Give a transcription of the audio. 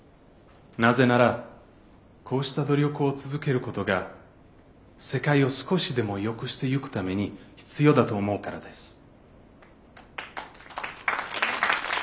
なぜならこうした努力を続けることが世界を少しでもよくしてゆくために必要だと思うからです。